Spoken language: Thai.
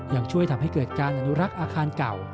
ยังช่วยทำให้เกิดการอนุรักษ์อาคารเก่า